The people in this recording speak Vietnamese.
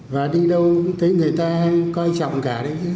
và đi đâu cũng thấy người ta coi trọng cả đấy